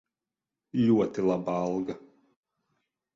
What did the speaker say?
Ļoti laba alga.